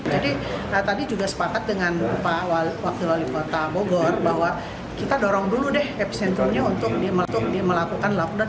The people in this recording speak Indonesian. jadi tadi juga sepakat dengan pak wakil wali kota bogor bahwa kita dorong dulu deh epicentrumnya untuk melakukan lockdown